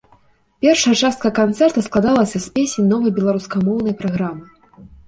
Першая частка канцэрта складалася з песень новай беларускамоўнай праграмы.